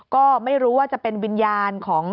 ก็ไม่รู้ว่าจะเป็นวิญญาณของ